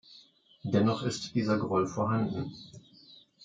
Dennoch ist dieser Groll vorhanden.